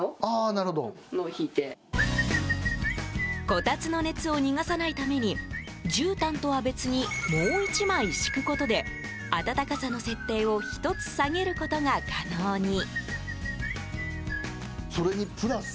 こたつの熱を逃さないためにじゅうたんとは別にもう１枚敷くことで暖かさの設定を１つ下げることが可能に。